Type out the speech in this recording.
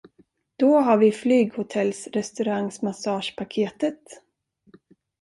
Då har vi flyghotellrestaurangmassagepaketet.